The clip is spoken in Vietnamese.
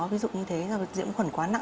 ví dụ như thế là nhiễm khuẩn quá nặng